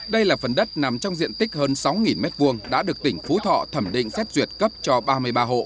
đây là phần đất nằm trong diện tích hơn sáu m hai đã được tỉnh phú thọ thẩm định xét duyệt cấp cho ba mươi ba hộ